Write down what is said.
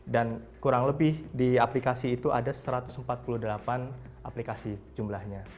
dan kurang lebih di aplikasi itu ada satu ratus empat puluh delapan aplikasi jumlahnya